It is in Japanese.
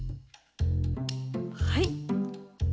はい！